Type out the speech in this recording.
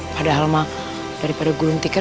padahal ma daripada gulung tikir